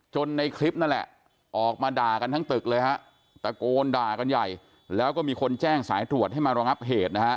ในคลิปนั่นแหละออกมาด่ากันทั้งตึกเลยฮะตะโกนด่ากันใหญ่แล้วก็มีคนแจ้งสายตรวจให้มารองับเหตุนะฮะ